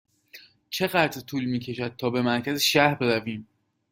چقدر طول می کشد تا به مرکز شهر برویم؟